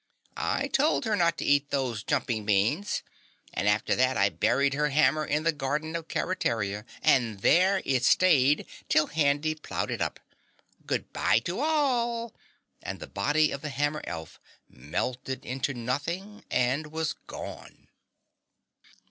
"I told her not to eat those jumping beans! And after that, I buried her hammer in the garden of Keretaria and there it stayed till Handy ploughed it up. Goodbye all!" And the body of the hammer elf melted into nothing and was gone.